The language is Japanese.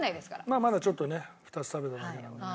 まあまだちょっとね２つ食べただけなので。